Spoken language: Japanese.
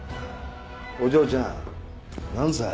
お嬢ちゃん何歳？